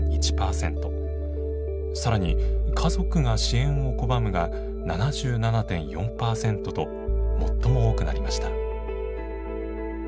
更に「家族が支援を拒む」が７７．４％と最も多くなりました。